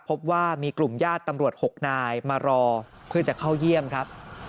พบว่ามีกลุ่มญาติตำรวจ๖นายมารอเพื่อจะเข้าเยี่ยมครับ